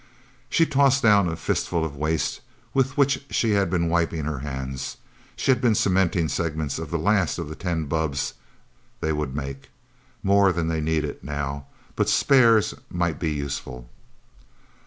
She tossed down a fistful of waste with which she had been wiping her hands she had been cementing segments of the last of the ten bubbs they would make more than they needed, now, but spares might be useful.